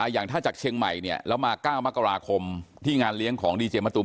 อย่างถ้าจากเชียงใหม่เนี่ยแล้วมา๙มกราคมที่งานเลี้ยงของดีเจมะตูม